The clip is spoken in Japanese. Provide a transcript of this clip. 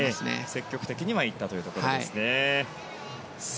積極的にはいったということですね。